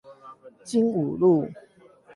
精武路